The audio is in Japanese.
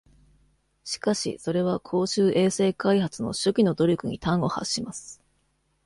しかし、それは公衆衛生開発の初期の努力に端を発します。